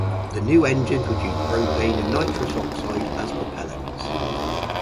The new engines would use propane and nitrous oxide as propellants.